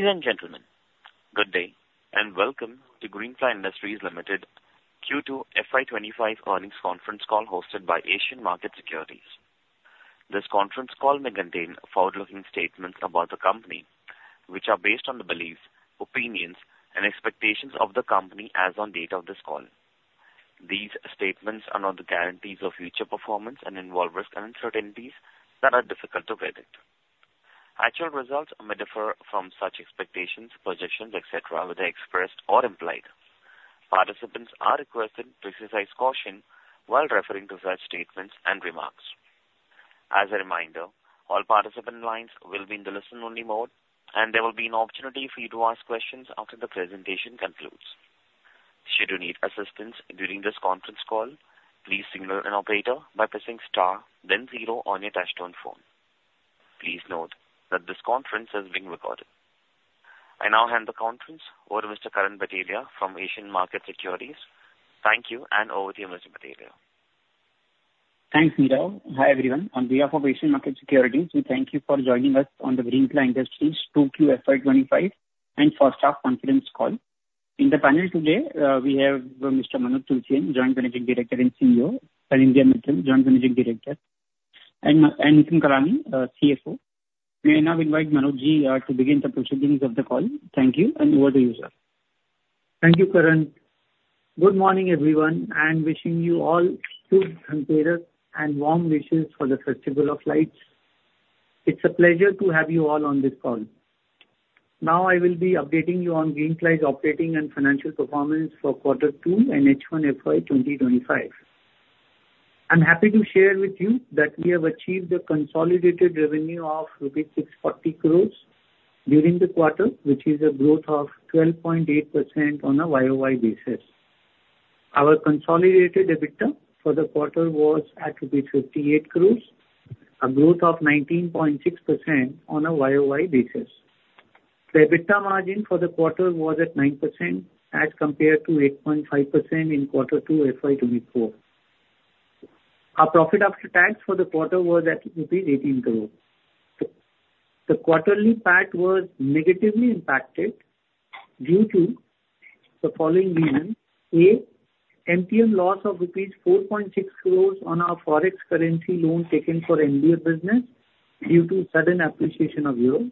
Ladies and gentlemen, good day and welcome to Greenply Industries Limited Q2 FY25 Earnings Conference Call hosted by Asian Market Securities. This conference call may contain forward-looking statements about the company, which are based on the beliefs, opinions, and expectations of the company as on the date of this call. These statements are not the guarantees of future performance and involve risks and uncertainties that are difficult to predict. Actual results may differ from such expectations, projections, etc., whether expressed or implied. Participants are requested to exercise caution while referring to such statements and remarks. As a reminder, all participant lines will be in the listen-only mode, and there will be an opportunity for you to ask questions after the presentation concludes. Should you need assistance during this conference call, please signal an operator by pressing star, then zero on your touch-tone phone. Please note that this conference is being recorded. I now hand the conference over to Mr. Karan Bhatelia from Asian Market Securities. Thank you, and over to you, Mr. Bhatelia. Thanks, Neera. Hi everyone. On behalf of Asian Market Securities, we thank you for joining us on the Greenply Industries 2Q FY25 and First Half Conference Call. In the panel today, we have Mr. Manoj Tulsian, Joint Managing Director and CEO, Sanidhya Mittal, Joint Managing Director, and Mr. Nitin Kalani, CFO. May I now invite Manojji to begin the proceedings of the call? Thank you, and over to you, sir. Thank you, Karan. Good morning, everyone, and wishing you all good, humble and warm wishes for the Festival of Lights. It's a pleasure to have you all on this call. Now, I will be updating you on Greenply's operating and financial performance for Q2 and H1 FY2025. I'm happy to share with you that we have achieved a consolidated revenue of rupees 640 crores during the quarter, which is a growth of 12.8% on a YOY basis. Our consolidated EBITDA for the quarter was at rupees 58 crores, a growth of 19.6% on a YOY basis. The EBITDA margin for the quarter was at 9% as compared to 8.5% in Q2 FY24. Our profit after tax for the quarter was at rupees 18 crores. The quarterly PAT was negatively impacted due to the following reasons: A, MTM loss of rupees 4.6 crores on our forex currency loan taken for MDF business due to sudden appreciation of euro;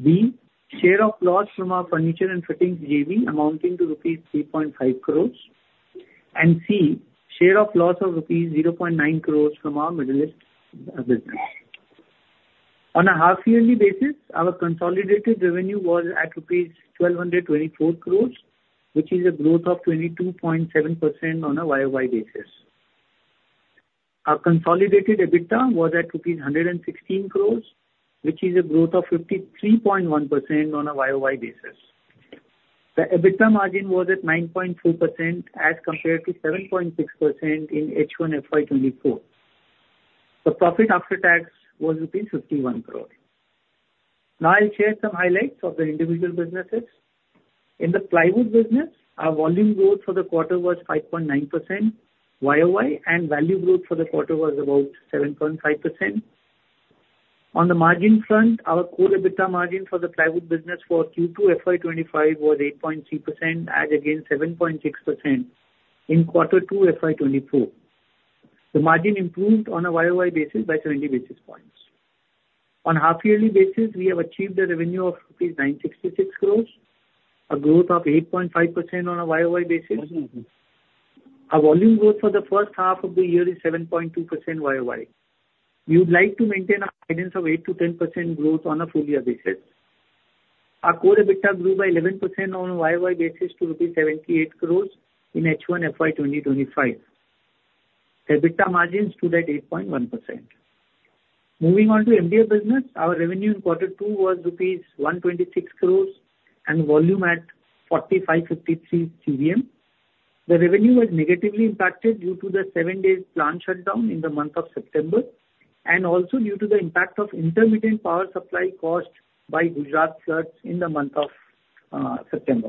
B, share of loss from our furniture and fittings JV amounting to rupees 3.5 crores; and C, share of loss of rupees 0.9 crores from our Middle East business. On a half-yearly basis, our consolidated revenue was at rupees 1,224 crores, which is a growth of 22.7% on a YOY basis. Our consolidated EBITDA was at rupees 116 crores, which is a growth of 53.1% on a YOY basis. The EBITDA margin was at 9.4% as compared to 7.6% in H1 FY24. The profit after tax was rupees 51 crores. Now, I'll share some highlights of the individual businesses. In the plywood business, our volume growth for the quarter was 5.9% YOY, and value growth for the quarter was about 7.5%. On the margin front, our core EBITDA margin for the plywood business for Q2 FY25 was 8.3%, as against 7.6% in Q2 FY24. The margin improved on a YOY basis by 70 basis points. On a half-yearly basis, we have achieved a revenue of ₹966 crores, a growth of 8.5% on a YOY basis. Our volume growth for the first half of the year is 7.2% YOY. We would like to maintain a guidance of 8% to 10% growth on a full-year basis. Our core EBITDA grew by 11% on a YOY basis to ₹78 crores in H1 FY2025. EBITDA margins stood at 8.1%. Moving on to MDF business, our revenue in Q2 was ₹126 crores and volume at 4,553 CBM. The revenue was negatively impacted due to the seven-day plant shutdown in the month of September and also due to the impact of intermittent power supply cost by Gujarat floods in the month of September.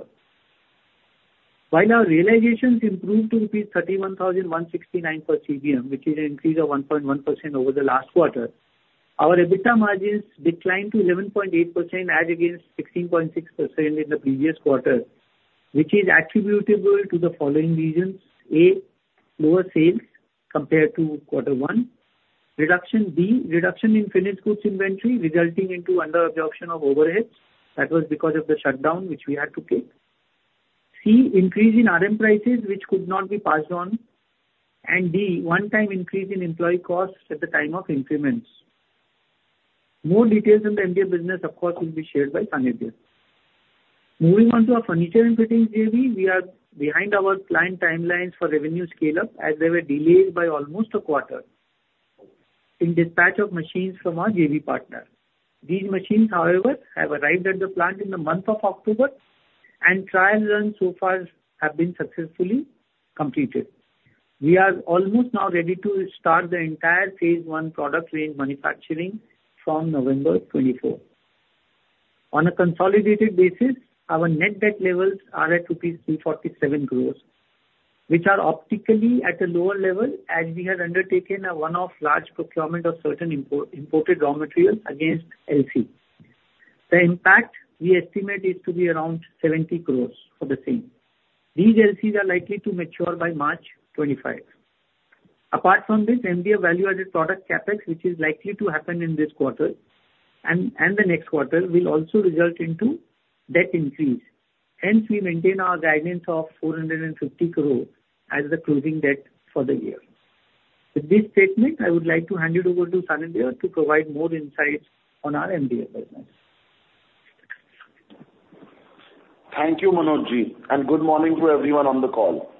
While our realizations improved to rupees 31,169 per CBM, which is an increase of 1.1% over the last quarter, our EBITDA margins declined to 11.8%, as against 16.6% in the previous quarter, which is attributable to the following reasons: A, lower sales compared to Q1; B, reduction in finished goods inventory resulting in under absorption of overheads that was because of the shutdown, which we had to take; C, increase in RM prices, which could not be passed on; and D, one-time increase in employee costs at the time of increments. More details on the MDF business, of course, will be shared by Sanidhya. Moving on to our furniture and fittings JV, we are behind our planned timelines for revenue scale-up, as they were delayed by almost a quarter in dispatch of machines from our JV partner. These machines, however, have arrived at the plant in the month of October, and trial runs so far have been successfully completed. We are almost now ready to start the entire phase I product range manufacturing from November 24. On a consolidated basis, our net debt levels are at rupees 347 crores, which are optically at a lower level as we had undertaken a one-off large procurement of certain imported raw materials against LC. The impact we estimate is to be around 70 crores for the same. These LCs are likely to mature by March 2025. Apart from this, MDF value-added product CapEx, which is likely to happen in this quarter and the next quarter, will also result in debt increase. Hence, we maintain our guidance of ₹450 crores as the closing debt for the year. With this statement, I would like to hand it over to Sanidhya to provide more insights on our MDF business. Thank you, Manoj, and good morning to everyone on the call.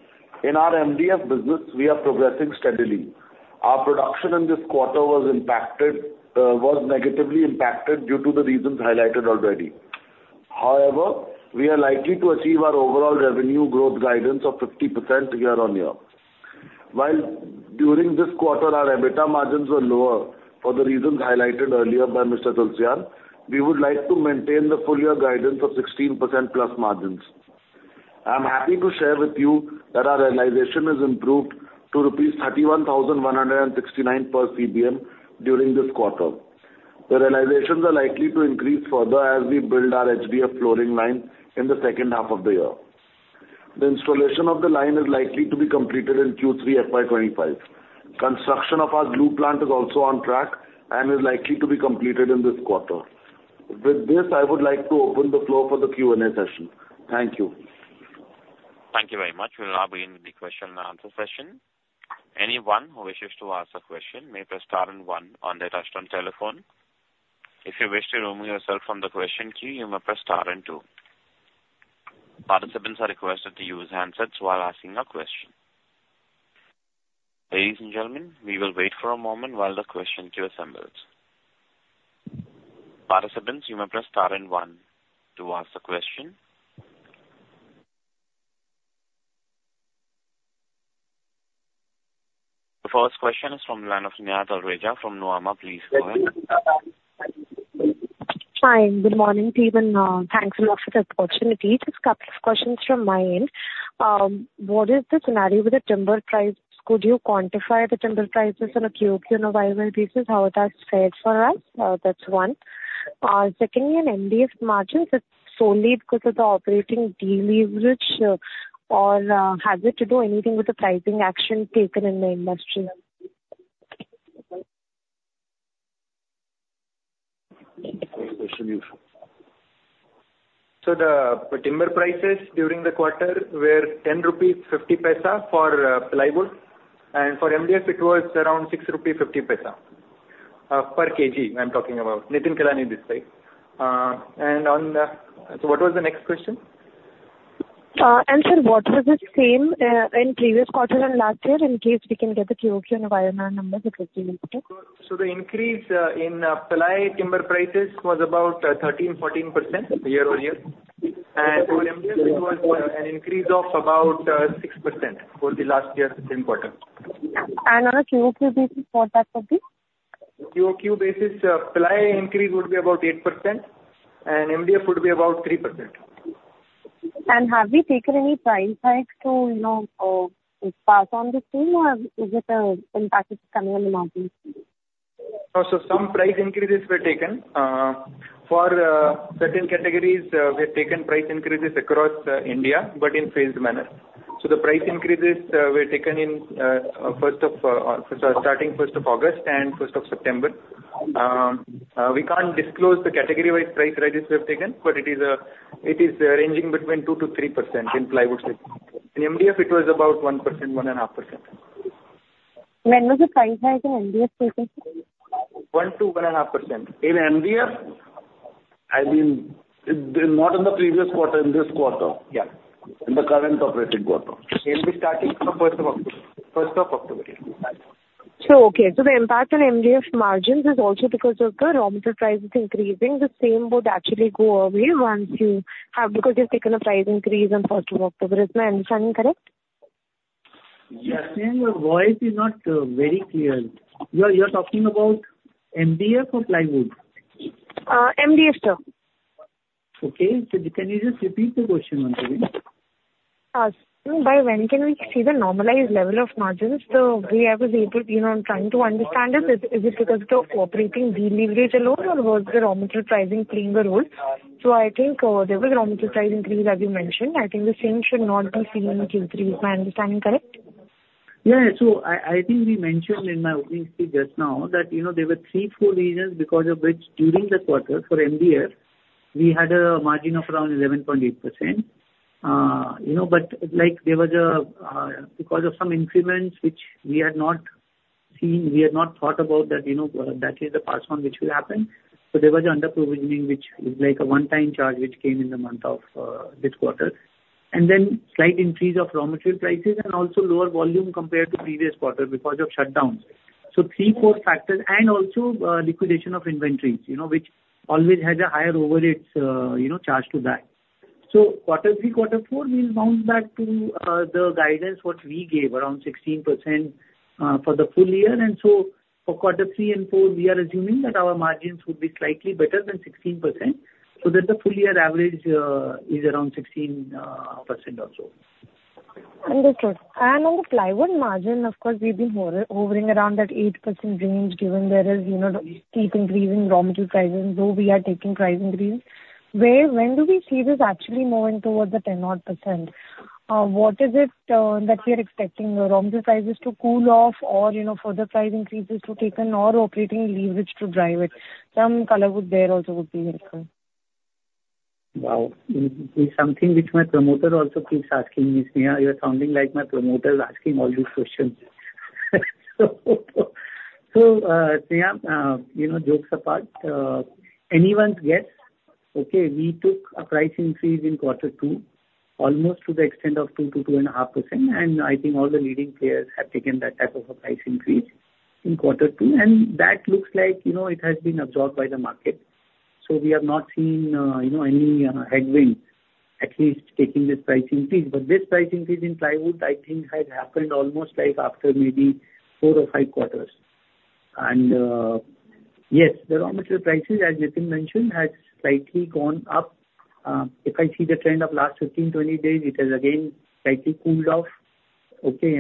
In our MDF business, we are progressing steadily. Our production in this quarter was negatively impacted due to the reasons highlighted already. However, we are likely to achieve our overall revenue growth guidance of 50% year on year. While during this quarter, our EBITDA margins were lower for the reasons highlighted earlier by Mr. Tulsian, we would like to maintain the full-year guidance of 16% plus margins. I'm happy to share with you that our realization has improved to 31,169 rupees per CBM during this quarter. The realizations are likely to increase further as we build our HDF flooring line in the second half of the year. The installation of the line is likely to be completed in Q3 FY25. Construction of our glue plant is also on track and is likely to be completed in this quarter. With this, I would like to open the floor for the Q&A session. Thank you. Thank you very much. We'll now begin the question and answer session. Anyone who wishes to ask a question may press star and one on their touch-tone telephone. If you wish to remove yourself from the question queue, you may press star and two. Participants are requested to use handsets while asking a question. Ladies and gentlemen, we will wait for a moment while the question queue assembles. Participants, you may press star and one to ask a question. The first question is from the line of Sneha Talreja from Nuvama. Please go ahead. Hi, good morning, Team. Thanks a lot for the opportunity. Just a couple of questions from my end. What is the scenario with the timber price? Could you quantify the timber prices on a Q2 on a YOY basis? How it has fared for us? That's one. Secondly, in MDF margins, it's solely because of the operating deleverage or has it to do anything with the pricing action taken in the industry? So the timber prices during the quarter were 10.50 rupees for plywood, and for MDF, it was around 6.50 rupees per kg. I'm talking about Nitin Kalani this side. And on the, so what was the next question? Answer, what was the same in previous quarter and last year? In case we can get the QQ and YOY numbers, it would be useful. So the increase in ply timber prices was about 13%-14% year over year. And for MDF, it was an increase of about 6% over the last year in quarter. On a QQ basis, what that would be? QQ basis, ply increase would be about 8%, and MDF would be about 3%. Have we taken any price hikes to pass on this team, or is it impacting the margins? Some price increases were taken. For certain categories, we have taken price increases across India, but in phased manner. The price increases were taken starting 1st of August and 1st of September. We can't disclose the category-wise price rises we have taken, but it is ranging between 2%-3% in plywoods. In MDF, it was about 1%-1.5%. When was the price hike in MDF taken? 1% to 1.5%. In MDF, I mean, not in the previous quarter, in this quarter, yeah, in the current operating quarter. It will be starting from October 1st. The impact on MDF margins is also because of the raw material prices increasing. The same would actually go away once you have, because you've taken a price increase on 1st of October. Is my understanding correct? Your voice is not very clear. You're talking about MDF or plywood? MDF, sir. Okay. So can you just repeat the question once again? By when can we see the normalized level of margins? So I was able, I'm trying to understand it. Is it because of the operating deleverage alone, or was the raw material pricing playing a role? So I think there was raw material price increase, as you mentioned. I think the same should not be seen in Q3. Is my understanding correct? Yeah. So I think we mentioned in my opening speech just now that there were three, four reasons because of which during the quarter for MDF, we had a margin of around 11.8%. But there was a, because of some increments, which we had not seen, we had not thought about that that is the pass-on, which will happen. So there was an under-provisioning, which is like a one-time charge which came in the month of this quarter. And then slight increase of raw material prices and also lower volume compared to previous quarter because of shutdowns. So three, four factors, and also liquidation of inventories, which always has a higher overhead charge to that. So quarter three, quarter four, we'll bounce back to the guidance what we gave around 16% for the full year. And so for quarter three and four, we are assuming that our margins would be slightly better than 16% so that the full-year average is around 16% also. Understood. And on the plywood margin, of course, we've been hovering around that 8% range given there is steep increase in raw material prices, though we are taking price increases. When do we see this actually moving towards the 10-odd%? What is it that we are expecting the raw material prices to cool off or for the price increases to take an operating leverage to drive it? Some color would there also be helpful. Wow. It's something which my promoter also keeps asking me, "Sneha, you're sounding like my promoter is asking all these questions." So Sneha, jokes apart, anyone's guess, okay, we took a price increase in quarter two, almost to the extent of 2%-2.5%. And I think all the leading players have taken that type of a price increase in quarter two. And that looks like it has been absorbed by the market. So we have not seen any headwinds, at least taking this price increase. But this price increase in plywood, I think, has happened almost after maybe four or five quarters. And yes, the raw material prices, as Nitin mentioned, have slightly gone up. If I see the trend of last 15, 20 days, it has again slightly cooled off. Okay.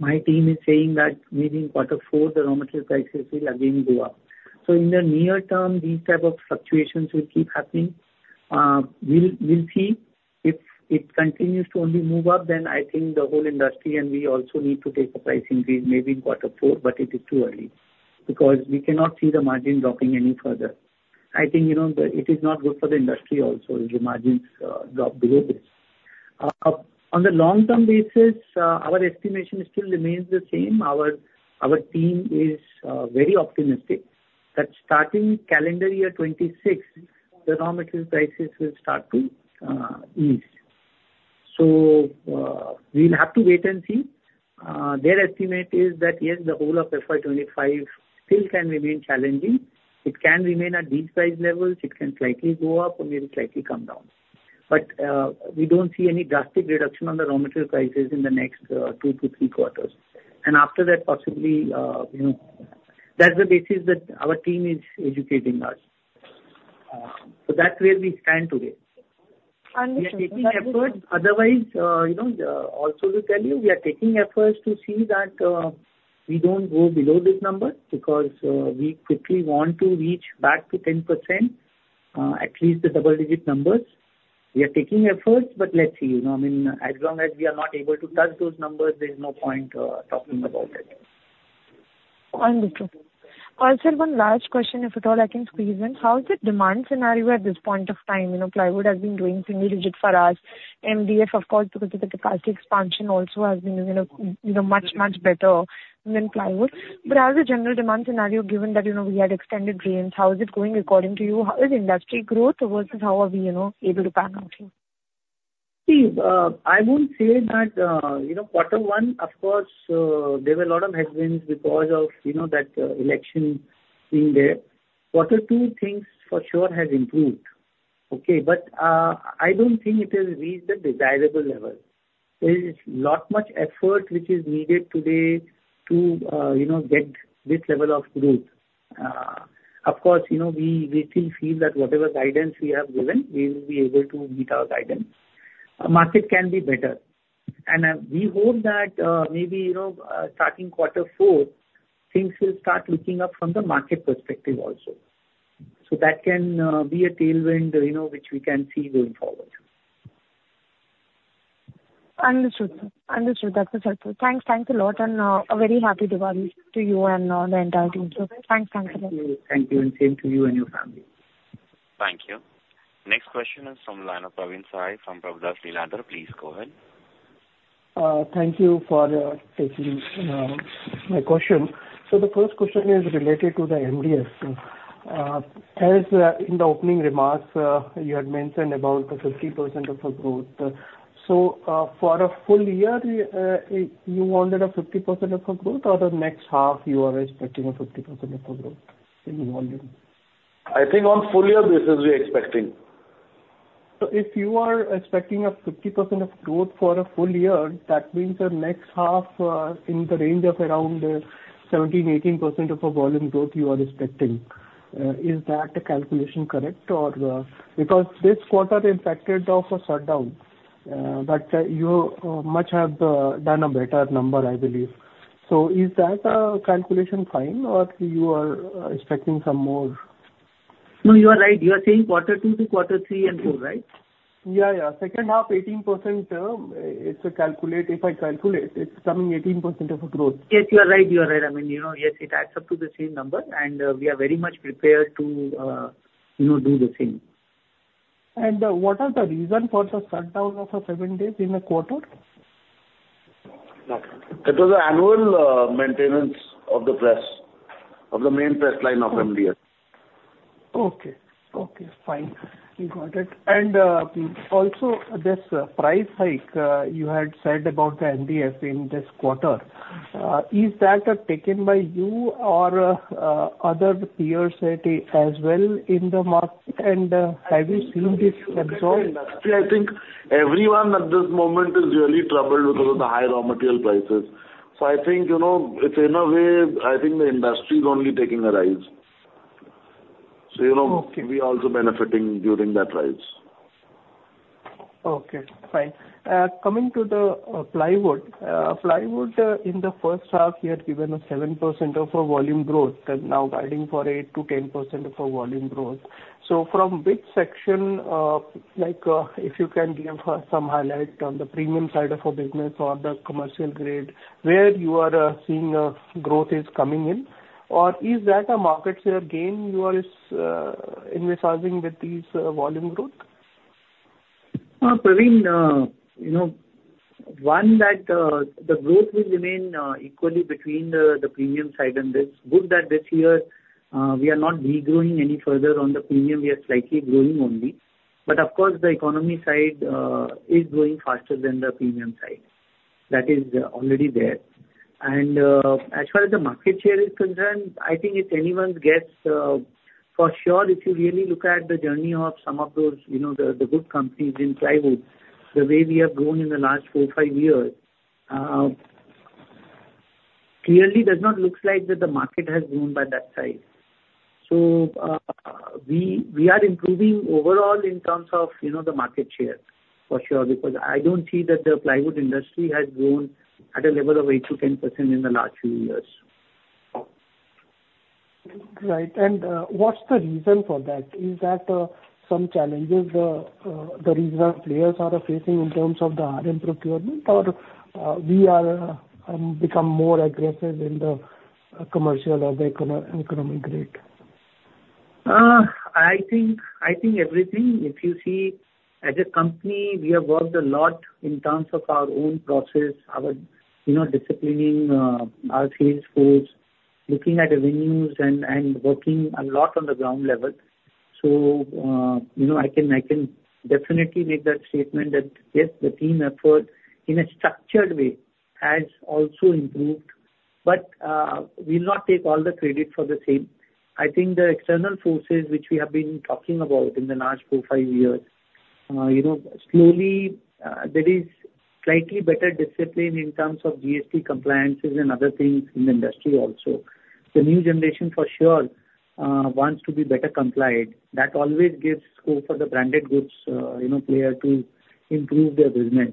My team is saying that maybe in quarter four, the raw material prices will again go up. So in the near term, these types of fluctuations will keep happening. We'll see. If it continues to only move up, then I think the whole industry and we also need to take a price increase maybe in quarter four, but it is too early because we cannot see the margin dropping any further. I think it is not good for the industry also if the margins drop below this. On the long-term basis, our estimation still remains the same. Our team is very optimistic that starting calendar year 2026, the raw material prices will start to ease. So we'll have to wait and see. Their estimate is that, yes, the whole of FY25 still can remain challenging. It can remain at these price levels. It can slightly go up or maybe slightly come down. But we don't see any drastic reduction on the raw material prices in the next two to three quarters. And after that, possibly that's the basis that our team is educating us. So that's where we stand today. Understood. We are taking efforts. Otherwise, also to tell you, we are taking efforts to see that we don't go below this number because we quickly want to reach back to 10%, at least the double-digit numbers. We are taking efforts, but let's see. I mean, as long as we are not able to touch those numbers, there's no point talking about it. Understood. Also, one last question, if at all I can squeeze in. How is the demand scenario at this point of time? Plywood has been doing single-digit for us. MDF, of course, because of the capacity expansion, also has been doing much, much better than plywood. But as a general demand scenario, given that we had extended rains, how is it going according to you? How is industry growth versus how are we able to pan out here? See, I won't say that quarter one, of course, there were a lot of headwinds because of that election being there. Quarter two, things for sure have improved. Okay. But I don't think it has reached the desirable level. There is not much effort which is needed today to get this level of growth. Of course, we still feel that whatever guidance we have given, we will be able to meet our guidance. Market can be better, and we hope that maybe starting quarter four, things will start looking up from the market perspective also, so that can be a tailwind which we can see going forward. Understood. Understood. That's helpful. Thanks. Thanks a lot. And a very happy Diwali to you and the entire team. So thanks. Thanks a lot. Thank you. And same to you and your family. Thank you. Next question is from Praveen Sahay from Prabhudas Lilladher. Please go ahead. Thank you for taking my question. So the first question is related to the MDF. In the opening remarks, you had mentioned about the 50% of the growth. So for a full year, you wanted a 50% of a growth, or the next half, you are expecting a 50% of a growth in volume? I think on full-year basis, we are expecting. So if you are expecting a 50% growth for a full year, that means the next half in the range of around 17%-18% of a volume growth you are expecting. Is that calculation correct? Because this quarter impacted by a shutdown, but you must have done a better number, I believe. So is that calculation fine, or you are expecting some more? No, you are right. You are saying quarter two to quarter three and four, right? Yeah. Yeah. Second half, 18%. If I calculate, it's coming 18% of a growth. Yes, you are right. You are right. I mean, yes, it adds up to the same number, and we are very much prepared to do the same. What are the reason for the shutdown of seven days in a quarter? That was annual maintenance of the press, of the main press line of MDF. Okay. Fine. You got it. And also, this price hike you had said about the MDF in this quarter, is that taken by you or other peers as well in the market? And have you seen this absorbed? See, I think everyone at this moment is really troubled because of the high raw material prices. So I think it's in a way, I think the industry is only taking a rise. So we are also benefiting during that rise. Okay. Fine. Coming to the plywood, plywood in the first half, you had given a 7% of a volume growth, and now guiding for 8% to 10% of a volume growth. So from which section, if you can give some highlight on the premium side of a business or the commercial grade, where you are seeing growth is coming in? Or is that a market share gain you are envisaging with this volume growth? Praveen, one, that the growth will remain equally between the premium side and this. Good that this year, we are not regrowing any further on the premium. We are slightly growing only. But of course, the economy side is growing faster than the premium side. That is already there. And as far as the market share is concerned, I think it's anyone's guess. For sure, if you really look at the journey of some of those good companies in plywood, the way we have grown in the last four, five years, clearly does not look like that the market has grown by that size. So we are improving overall in terms of the market share, for sure, because I don't see that the plywood industry has grown at a level of 8%-10% in the last few years. Right. And what's the reason for that? Is that some challenges the regional players are facing in terms of the RM procurement, or we have become more aggressive in the commercial or the economic grade? I think everything. If you see, as a company, we have worked a lot in terms of our own process, our disciplining, our sales force, looking at the venues and working a lot on the ground level. So I can definitely make that statement that, yes, the team effort in a structured way has also improved. But we'll not take all the credit for the same. I think the external forces, which we have been talking about in the last four, five years, slowly, there is slightly better discipline in terms of GST compliances and other things in the industry also. The new generation, for sure, wants to be better complied. That always gives scope for the branded goods player to improve their business.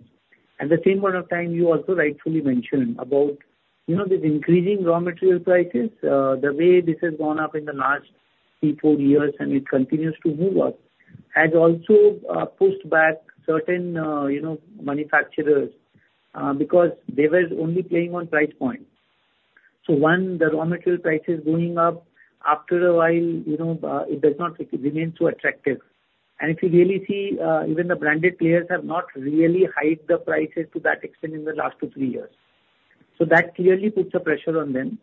At the same point of time, you also rightfully mentioned about this increasing raw material prices, the way this has gone up in the last three, four years, and it continues to move up, has also pushed back certain manufacturers because they were only playing on price point. So one, the raw material prices going up, after a while, it does not remain so attractive. And if you really see, even the branded players have not really hiked the prices to that extent in the last two, three years. So that clearly puts a pressure on them.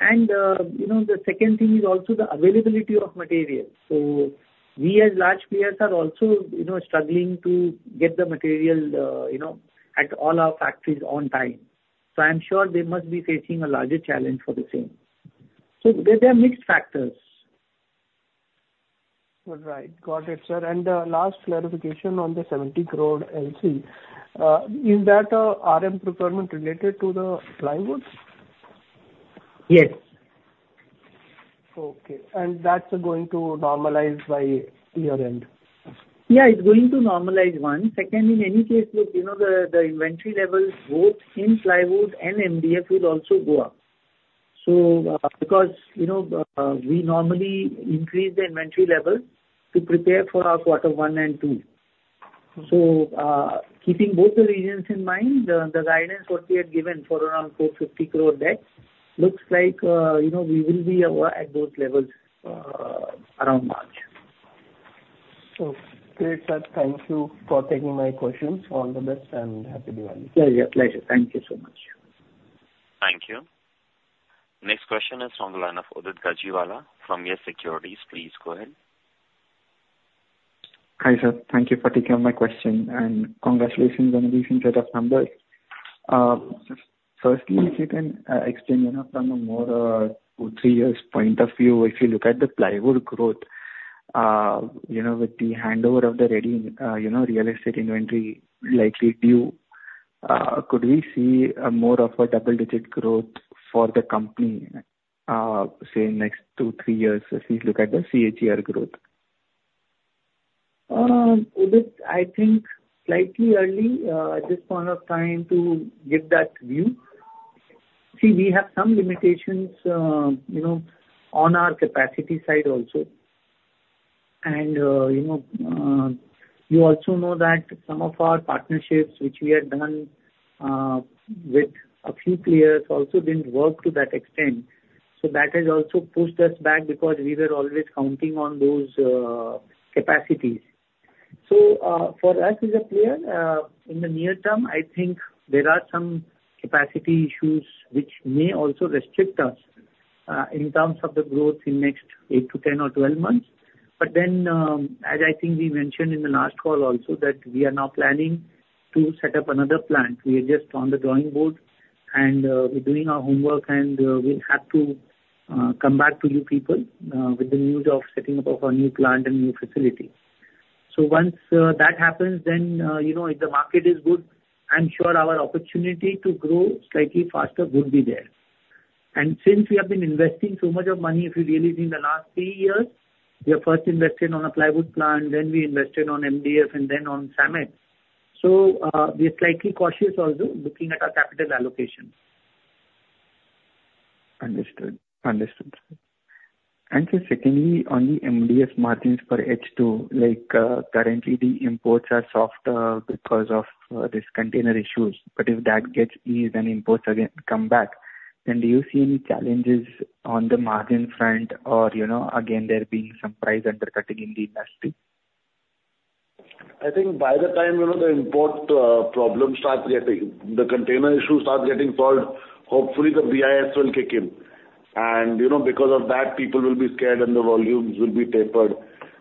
And the second thing is also the availability of material. So we, as large players, are also struggling to get the material at all our factories on time. So I'm sure they must be facing a larger challenge for the same. So there are mixed factors. All right. Got it, sir. And last clarification on the 70 crore LC. Is that RM procurement related to the plywood? Yes. Okay, and that's going to normalize by year-end? Yeah. It's going to normalize, one. Second, in any case, look, the inventory levels both in plywood and MDF will also go up. So because we normally increase the inventory level to prepare for our quarter one and two. Keeping both the reasons in mind, the guidance what we had given for around 450 crore debt looks like we will be at those levels around March. Okay. Great, sir. Thank you for taking my questions. All the best and happy Diwali. Pleasure. Pleasure. Thank you so much. Thank you. Next question is from the line of Udit Gajiwala from Yes Securities. Please go ahead. Hi, sir. Thank you for taking up my question. And congratulations on these set of numbers. Firstly, if you can explain from a more two or three years point of view, if you look at the plywood growth with the handover of the ready real estate inventory likely due, could we see more of a double-digit growth for the company, say, next two, three years if we look at the CAGR growth? Udit, I think it's slightly early at this point of time to give that view. See, we have some limitations on our capacity side also. And you also know that some of our partnerships, which we had done with a few players, also didn't work to that extent. So that has also pushed us back because we were always counting on those capacities. So for us as a player, in the near term, I think there are some capacity issues which may also restrict us in terms of the growth in next 8 to 10 or 12 months. But then, as I think we mentioned in the last call also, that we are now planning to set up another plant. We are just on the drawing board, and we're doing our homework, and we'll have to come back to you people with the news of setting up a new plant and new facility. So once that happens, then if the market is good, I'm sure our opportunity to grow slightly faster would be there. And since we have been investing so much of money, if you really think the last three years, we have first invested on a plywood plant, then we invested on MDF, and then on laminates. So we are slightly cautious also looking at our capital allocation. Understood. Understood. And secondly, on the MDF margins per CBM too, currently the imports are soft because of these container issues. But if that gets eased and imports come back, then do you see any challenges on the margin front, or again, there being some price undercutting in the industry? I think by the time the import problems start getting, the container issues start getting solved, hopefully the BIS will kick in, and because of that, people will be scared, and the volumes will be tapered,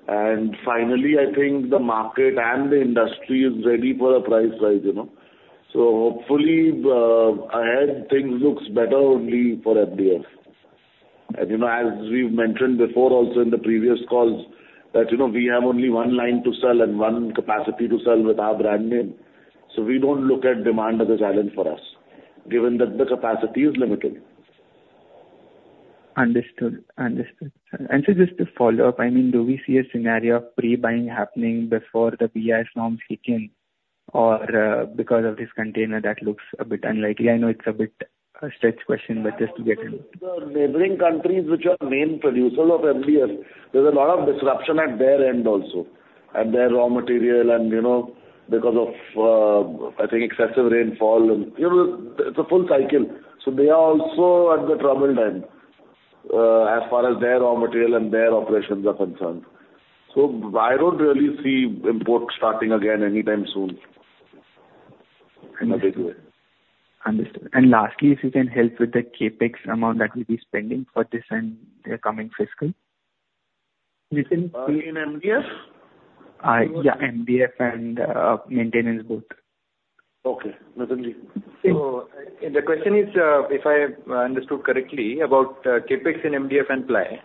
and finally, I think the market and the industry is ready for a price rise, so hopefully, ahead things look better only for MDF, and as we've mentioned before also in the previous calls, that we have only one line to sell and one capacity to sell with our brand name, so we don't look at demand as a challenge for us, given that the capacity is limited. Understood. Understood. And so just to follow up, I mean, do we see a scenario of pre-buying happening before the BIS norms kick in, or because of this container, that looks a bit unlikely? I know it's a bit a stretch question, but just to get in. The neighboring countries, which are main producers of MDF, there's a lot of disruption at their end also, at their raw material, and because of, I think, excessive rainfall. It's a full cycle. So they are also at the troubled end as far as their raw material and their operations are concerned. So I don't really see imports starting again anytime soon in a big way. Understood. And lastly, if you can help with the CapEx amount that we'll be spending for this and the coming fiscal? You can speak in MDF? Yeah. MDF and maintenance both. Okay. Mr. Kalani. So the question is, if I understood correctly, about CapEx in MDF and ply.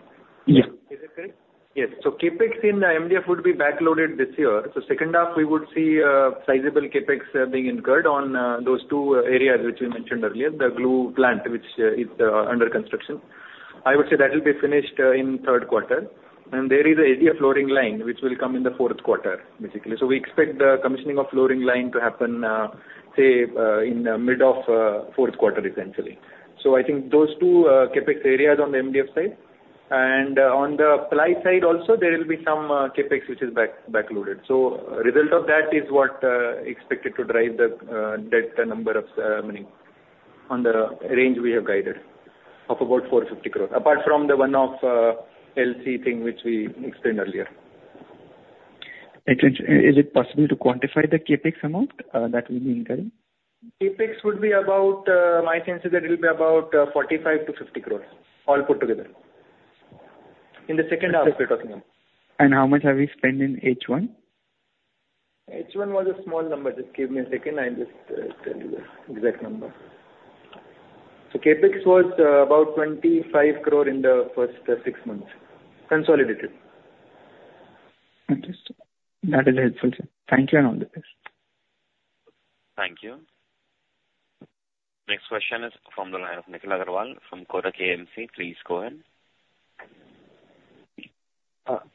Yeah. Is that correct? Yes. So CapEx in MDF would be backloaded this year. So second half, we would see sizable CapEx being incurred on those two areas which we mentioned earlier, the glue plant, which is under construction. I would say that will be finished in third quarter. And there is an HDF flooring line, which will come in the fourth quarter, basically. So we expect the commissioning of flooring line to happen, say, in the mid of fourth quarter, essentially. So I think those two CapEx areas on the MDF side. And on the ply side also, there will be some CapEx which is backloaded. So the result of that is what is expected to drive the debt number of, I mean, on the range we have guided of about ₹450 crore, apart from the one-off LC thing which we explained earlier. Is it possible to quantify the CapEx amount that will be incurring? CapEx would be about. My sense is that it will be about 45-50 crore all put together in the second half we're talking about. How much have we spent in H1? H1 was a small number. Just give me a second. I'll just tell you the exact number. So CapEx was about 25 crore in the first six months consolidated. Understood. That is helpful, sir. Thank you and all the best. Thank you. Next question is from the line of Nikhil Agarwal from Kotak AMC. Please go ahead.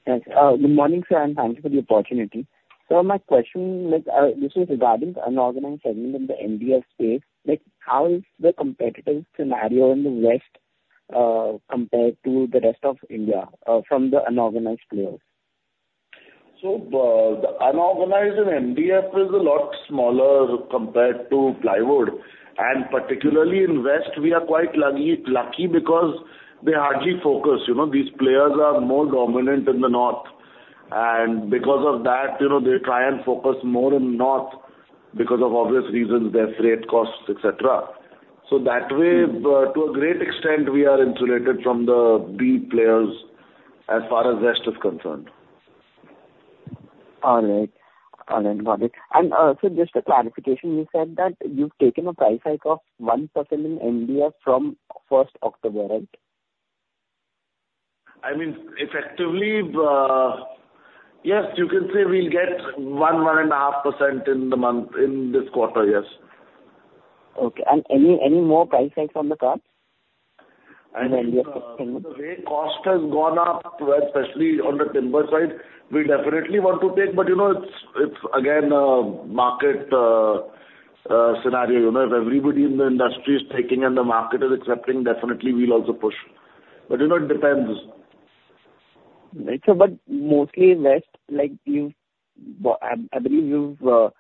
Thanks. Good morning, sir, and thank you for the opportunity, so my question, this is regarding unorganized segment in the MDF space. How is the competitive scenario in the West compared to the rest of India from the unorganized players? So the unorganized in MDF is a lot smaller compared to plywood. And particularly in West, we are quite lucky because they hardly focus. These players are more dominant in the North. And because of that, they try and focus more in the North because of obvious reasons, their freight costs, etc. So that way, to a great extent, we are insulated from the B players as far as West is concerned. All right. Got it. And so just a clarification, you said that you've taken a price hike of 1% in MDF from first October, right? I mean, effectively, yes, you can say we'll get 1-1.5% in this quarter, yes. Okay. And any more price hikes on the cards? I mean, the way cost has gone up, especially on the timber side, we definitely want to take. But it's, again, a market scenario. If everybody in the industry is taking and the market is accepting, definitely we'll also push. But it depends. Right. But mostly in West, I believe you've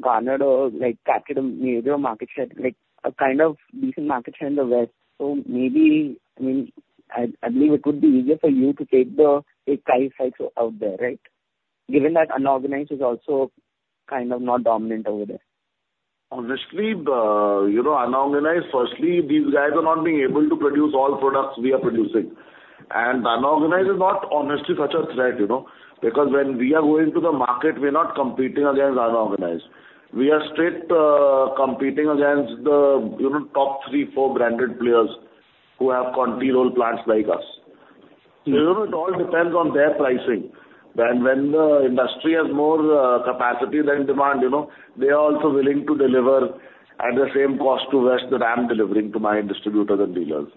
garnered or captured a major market share, a kind of decent market share in the West. So maybe, I mean, I believe it would be easier for you to take the price hikes out there, right, given that unorganized is also kind of not dominant over there? Honestly, unorganized, firstly, these guys are not being able to produce all products we are producing. And unorganized is not, honestly, such a threat because when we are going to the market, we're not competing against unorganized. We are straight competing against the top three, four branded players who have ContiRolll plants like us. So it all depends on their pricing. And when the industry has more capacity than demand, they are also willing to deliver at the same cost to West India that I'm delivering to my distributors and dealers.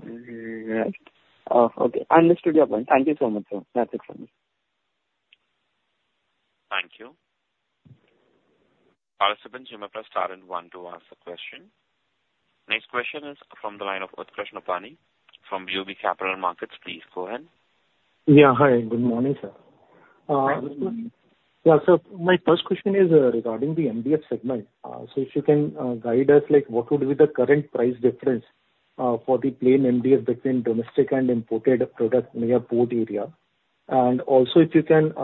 Yeah. Okay. Understood your point. Thank you so much, sir. That's it from me. Thank you. Participants, you may press star and one to ask a question. Next question is from the line of Utkarsh Nopany. From BOB Capital Markets, please go ahead. Hi. Good morning, sir. Yeah. So my first question is regarding the MDF segment. So if you can guide us, what would be the current price difference for the plain MDF between domestic and imported products near port area? And also, if you can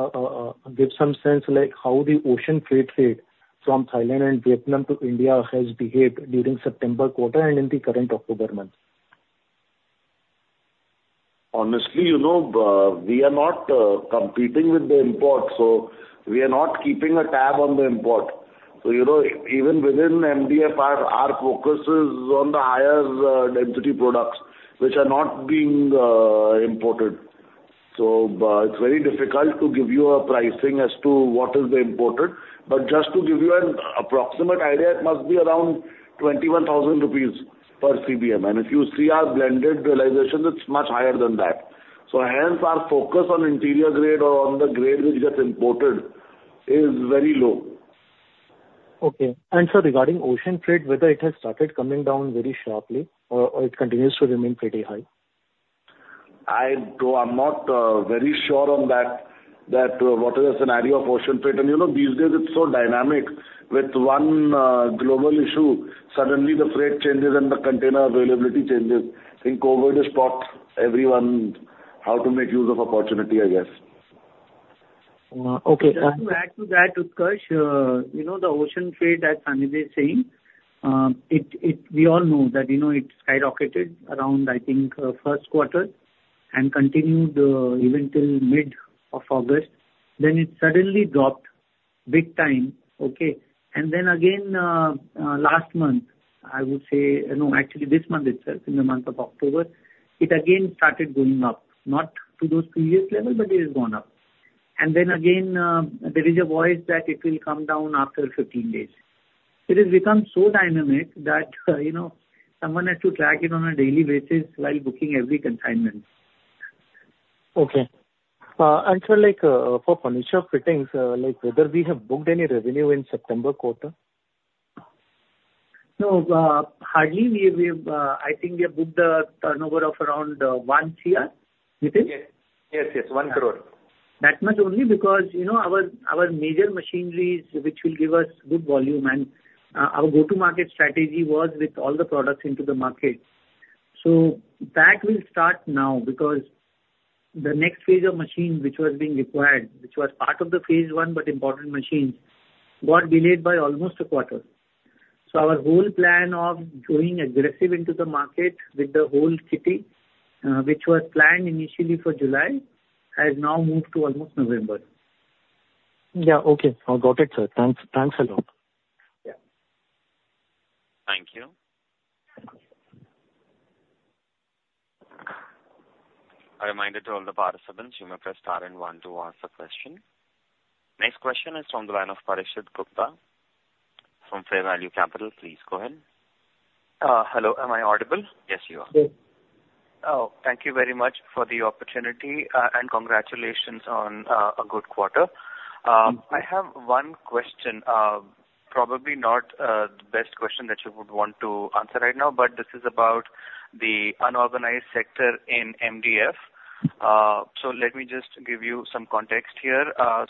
give some sense how the ocean freight trade from Thailand and Vietnam to India has behaved during September quarter and in the current October month? Honestly, we are not competing with the import. So we are not keeping a tab on the import. So even within MDF, our focus is on the higher density products, which are not being imported. So it's very difficult to give you a pricing as to what is the imported. But just to give you an approximate idea, it must be around ₹21,000 per CBM. And if you see our blended realization, it's much higher than that. So hence, our focus on interior grade or on the grade which gets imported is very low. Okay. And, sir, regarding ocean freight, whether it has started coming down very sharply or it continues to remain pretty high? I'm not very sure on that, what is the scenario of ocean freight? And these days, it's so dynamic with one global issue. Suddenly, the freight changes and the container availability changes. I think COVID has taught everyone how to make use of opportunity, I guess. Okay. To add to that, Utkarsh, the ocean freight, as any analyst is saying, we all know that it skyrocketed around, I think, first quarter and continued even till mid of August. Then it suddenly dropped big time, okay? And then again, last month, I would say, no, actually this month itself, in the month of October, it again started going up, not to those previous levels, but it has gone up. And then again, there is a voice that it will come down after 15 days. It has become so dynamic that someone has to track it on a daily basis while booking every consignment. Okay. And sir, for furniture fittings, whether we have booked any revenue in September quarter? No. Hardly, I think we have booked a turnover of around 1 crore, you think? Yes. Yes. Yes. 1 crore. That much only because our major machinery, which will give us good volume, and our go-to-market strategy was with all the products into the market. So that will start now because the next phase of machine, which was being required, which was part of the phase I, but important machines, got delayed by almost a quarter. So our whole plan of going aggressive into the market with the whole kitty, which was planned initially for July, has now moved to almost November. Yeah. Okay. I got it, sir. Thanks a lot. Yeah. Thank you. A reminder to all the participants, you may press star and one to ask a question. Next question is from the line of Parikshit Gupta from Fair Value Capital. Please go ahead. Hello. Am I audible? Yes, you are. Yes. Oh, thank you very much for the opportunity and congratulations on a good quarter. I have one question, probably not the best question that you would want to answer right now, but this is about the unorganized sector in MDF, so let me just give you some context here,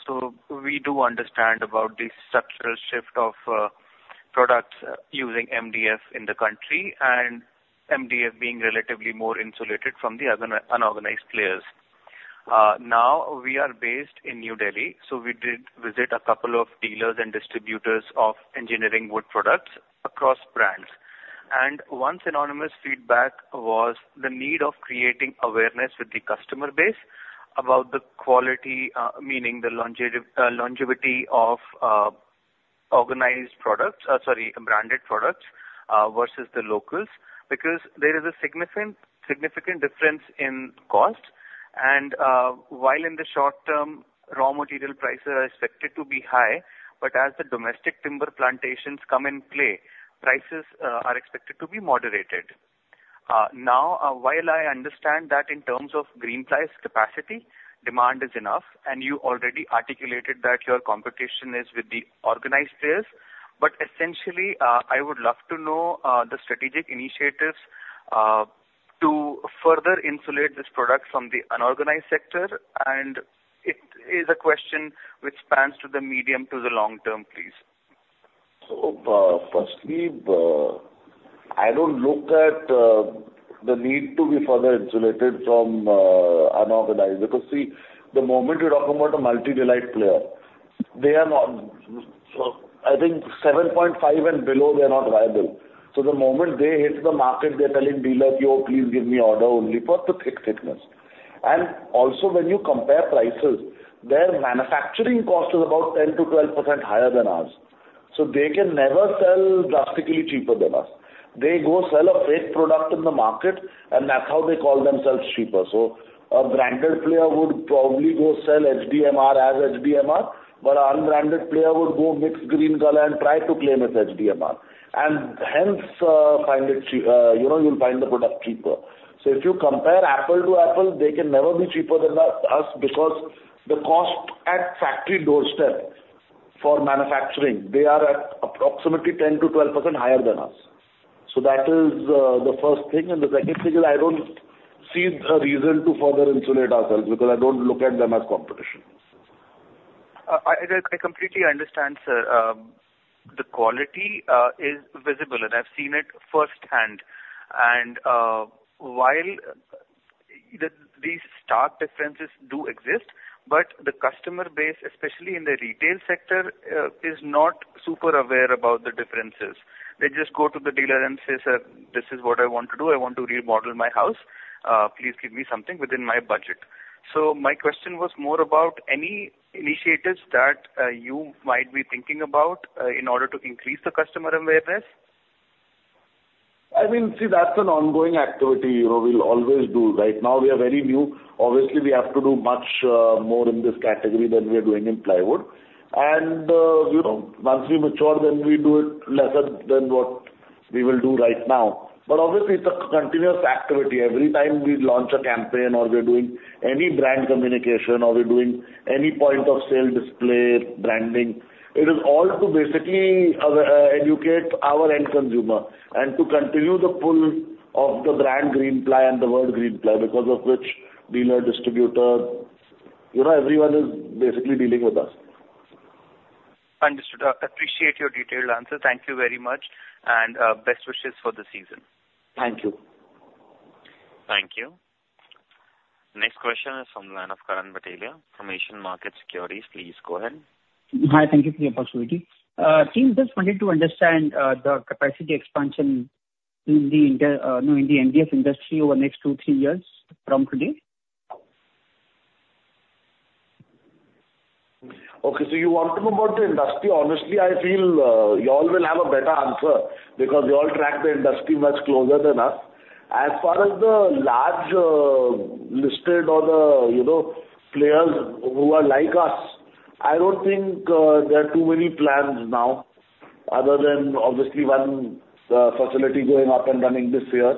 so we do understand about the structural shift of products using MDF in the country and MDF being relatively more insulated from the unorganized players. Now, we are based in New Delhi, so we did visit a couple of dealers and distributors of engineered wood products across brands, and one common feedback was the need of creating awareness with the customer base about the quality, meaning the longevity of organized products, sorry, branded products versus the locals because there is a significant difference in cost. While in the short term, raw material prices are expected to be high, but as the domestic timber plantations come into play, prices are expected to be moderated. Now, while I understand that in terms of Greenply's capacity, demand is enough, and you already articulated that your competition is with the organized players, but essentially, I would love to know the strategic initiatives to further insulate this product from the unorganized sector. It is a question which spans to the medium to the long term, please. So firstly, I don't look at the need to be further insulated from unorganized because, see, the moment you're talking about a multi-ply player, they are not, I think, 7.5 and below, they're not viable. So the moment they hit the market, they're telling dealers, "Yo, please give me order only for the thick thickness." And also, when you compare prices, their manufacturing cost is about 10%-12% higher than ours. So they can never sell drastically cheaper than us. They go sell a fake product in the market, and that's how they call themselves cheaper. So a branded player would probably go sell HDMR as HDMR, but an unbranded player would go mix green color and try to claim as HDMR and hence find it cheaper. You'll find the product cheaper. So if you compare apples to apples, they can never be cheaper than us because the cost at factory doorstep for manufacturing, they are at approximately 10%-12% higher than us. So that is the first thing. And the second thing is I don't see a reason to further insulate ourselves because I don't look at them as competition. I completely understand, sir. The quality is visible, and I've seen it firsthand, and while these stark differences do exist, but the customer base, especially in the retail sector, is not super aware about the differences. They just go to the dealer and say, "Sir, this is what I want to do. I want to remodel my house. Please give me something within my budget." So my question was more about any initiatives that you might be thinking about in order to increase the customer awareness. I mean, see, that's an ongoing activity we'll always do. Right now, we are very new. Obviously, we have to do much more in this category than we are doing in plywood. And once we mature, then we do it lesser than what we will do right now. But obviously, it's a continuous activity. Every time we launch a campaign or we're doing any brand communication or we're doing any point of sale display branding, it is all to basically educate our end consumer and to continue the pull of the brand Greenply and the word Greenply because of which dealer, distributor, everyone is basically dealing with us. Understood. I appreciate your detailed answer. Thank you very much. And best wishes for the season. Thank you. Thank you. Next question is from the line of Karan Bhatelia, Asian Market Securities. Please go ahead. Hi. Thank you for the opportunity. Team just wanted to understand the capacity expansion in the MDF industry over the next two, three years from today. Okay. So you want to know about the industry? Honestly, I feel you all will have a better answer because you all track the industry much closer than us. As far as the large listed or the players who are like us, I don't think there are too many plans now other than obviously one facility going up and running this year.